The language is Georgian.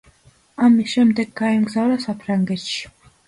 ამის შემდეგ გაემგზავრა საფრანგეთში.